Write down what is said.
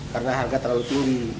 karena harga terlalu curi